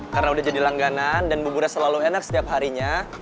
karena udah jadi langganan dan bubura selalu enak setiap harinya